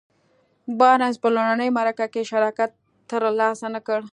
بارنس په لومړۍ مرکه کې شراکت تر لاسه نه کړ.